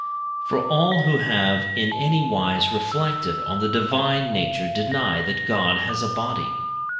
For all who have in anywise reflected on the divine nature deny that God has a body.